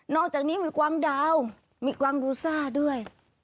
อกจากนี้มีกวางดาวมีกวางรูซ่าด้วย